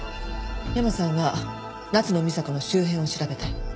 山さんは夏野美紗子の周辺を調べて。